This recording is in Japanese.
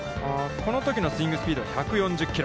このときのスイングスピードが１４０キロ。